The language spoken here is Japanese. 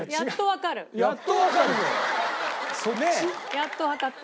やっとわかった。